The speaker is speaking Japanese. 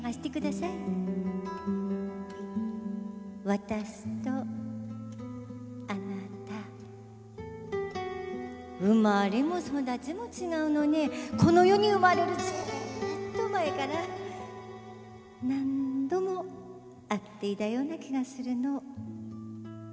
ワダスとあなた生まれも育ちも違うのにこの世に生まれるずっと前から何度も会っていたような気がするの。